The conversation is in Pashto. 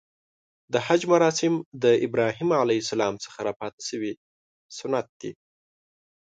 د حج مراسم د ابراهیم ع څخه راپاتې شوی سنت دی .